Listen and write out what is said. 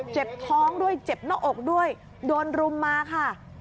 เจ็บท้องด้วยเจ็บหน้าอกด้วยโดนรุมมาค่ะ